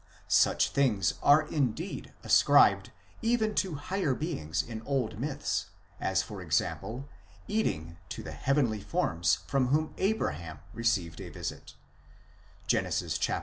Such things are indeed ascribed even to higher beings in old myths, as for example, eating to the heavenly forms from whom Abraham received a visit (Gen. xviii.